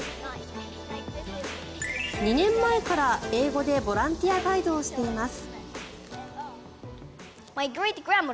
２年前から英語でボランティアガイドをしています。